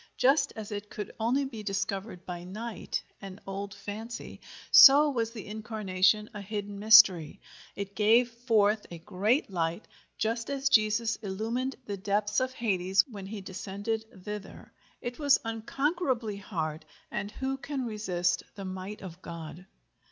Just as it could only be discovered by night—an old fancy—so was the Incarnation a hidden mystery; it gave forth a great light, just as Jesus illumined the depths of Hades when he descended thither; it was unconquerably hard, and who can resist the might of God?